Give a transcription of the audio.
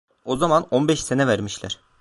O zaman on beş sene vermişler.